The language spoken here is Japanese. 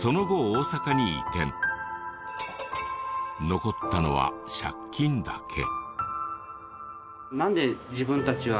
残ったのは借金だけ。